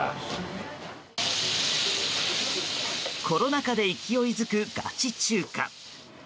コロナ禍で勢いづくガチ中華。